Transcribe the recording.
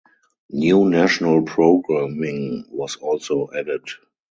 New national programming was also added.